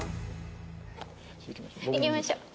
行きましょう。